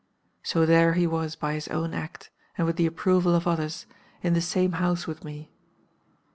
"So there he was by his own act, and with the approval of others, in the same house with me.